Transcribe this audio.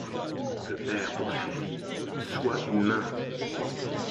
Le père poursuivit: — Sois humain.